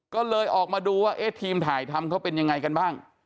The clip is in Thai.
ก็เลยออกมาดูว่าเอ๊ะทีมถ่ายทำเขาเป็นยังไงกันบ้าง